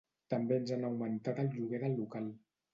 També ens han augmentat el lloguer del local.